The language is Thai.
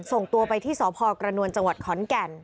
ส่งตัวไปที่สพกระนวลจังหวัดขอนแก่น